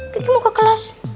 kiki mau ke kelas dua